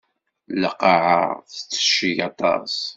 Lqaɛa tettecceg aṭas.